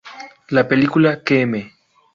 La película "Km.